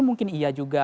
mungkin iya juga